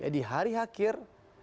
di hari akhir